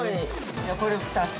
これ２つ。